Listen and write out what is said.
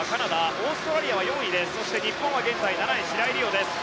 オーストラリアは４位で日本は７位、白井璃緒です。